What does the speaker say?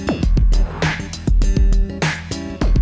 hei kemana dek